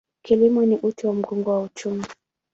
Kilimo ni uti wa mgongo wa uchumi.